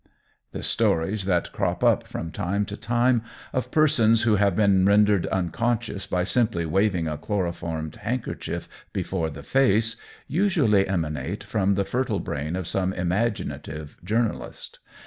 '" The stories that crop up from time to time, of persons who have been rendered unconscious by simply waving a chloroformed handkerchief before the face, usually emanate from the fertile brain of some imaginative journalist.